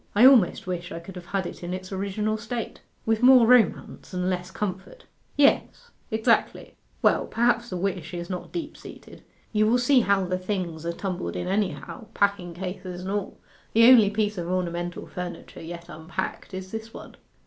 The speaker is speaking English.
I almost wish I could have had it in its original state.' 'With more romance and less comfort.' 'Yes, exactly. Well, perhaps the wish is not deep seated. You will see how the things are tumbled in anyhow, packing cases and all. The only piece of ornamental furniture yet unpacked is this one.